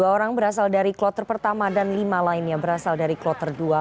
dua orang berasal dari kloter pertama dan lima lainnya berasal dari kloter dua